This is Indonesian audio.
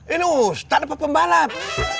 ini ustadz dapat pembalap